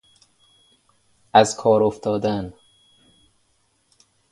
از کار افتادن